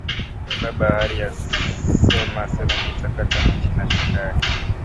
Baba ari sema asema mita kata michi na shoka yake